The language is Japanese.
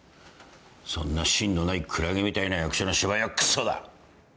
そんな芯のないクラゲみたいな役者の芝居はくそだ。